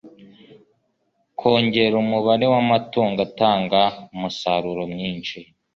kongera umubare w' amatungo atanga umusaruro mwinshi